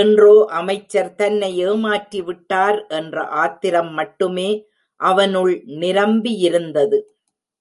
இன்றோ அமைச்சர் தன்னை ஏமாற்றிவிட்டார் என்ற ஆத்திரம் மட்டுமே அவனுள் நிரம்பியிருந்தது.